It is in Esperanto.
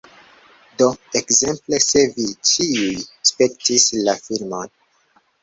Do, ekzemple, se vi ĉiuj spektis la filmon